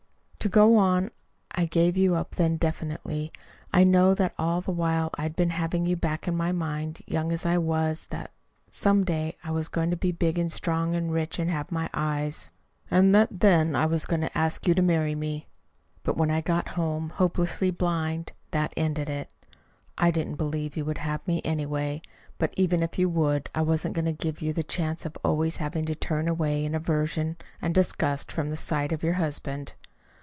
To go on: I gave you up then definitely. I know that all the while I'd been having you back in my mind, young as I was that some day I was going to be big and strong and rich and have my eyes; and that then I was going to ask you to marry me. But when I got home, hopelessly blind, that ended it. I didn't believe you would have me, anyway; but even if you would, I wasn't going to give you the chance of always having to turn away in aversion and disgust from the sight of your husband."